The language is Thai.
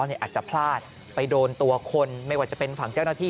อาจจะพลาดไปโดนตัวคนไม่ว่าจะเป็นฝั่งเจ้าหน้าที่